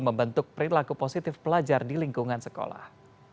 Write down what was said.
membentuk perilaku positif pelajar di lingkungan sekolah